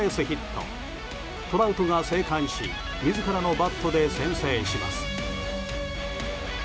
トラウトが生還し自らのバットで先制します。